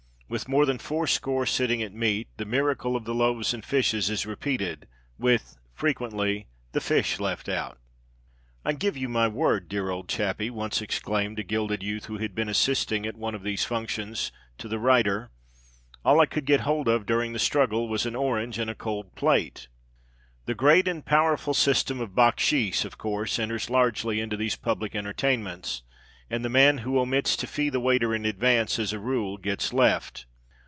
With more than fourscore sitting at meat, the miracle of the loaves and fishes is repeated with, frequently, the fish left out. "I give you my word, dear old chappie," once exclaimed a gilded youth who had been assisting at one of these functions, to the writer, "all I could get hold of, during the struggle, was an orange and a cold plate!" The great and powerful system of Baksheesh, of course, enters largely into these public entertainments; and the man who omits to fee the waiter in advance, as a rule, "gets left."